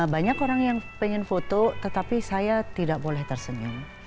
banyak orang yang pengen foto tetapi saya tidak boleh tersenyum